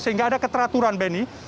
sehingga ada keteraturan benny